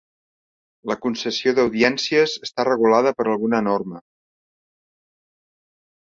La concessió d'audiències està regulada per alguna norma.